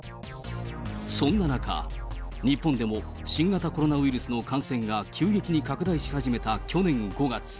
そんな中、日本でも新型コロナウイルスの感染が急激に拡大し始めた去年５月。